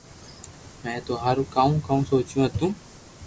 مي ٿو ھارو ڪاو ڪاو سوچيو ھتو